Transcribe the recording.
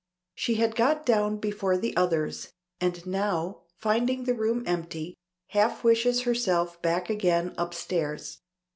She had got down before the others, and now, finding the room empty, half wishes herself back again upstairs.